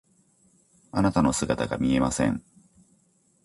あなたの姿が見えません。